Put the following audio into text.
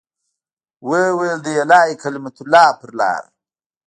ويې ويل د اعلاى کلمة الله په لاره.